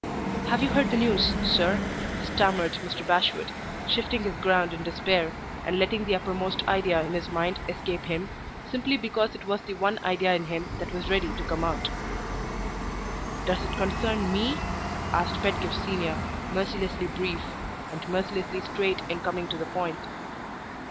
"Have you heard the news, sir?" stammered Mr. Bashwood, shifting his ground in despair, and letting the uppermost idea in his mind escape him, simply because it was the one idea in him that was ready to come out. "Does it concern me?" asked Pedgift Senior, mercilessly brief, and mercilessly straight in coming to the point.